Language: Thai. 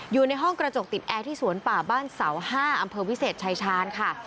อยู่ในห้องกระจกติดแอร์ที่สวนป่าบ้านเสา๕อำเภอวิเศษชายชาญค่ะ